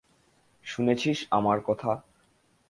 শুনেছিস আমার কথা।